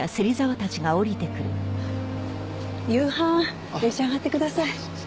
夕飯召し上がってください。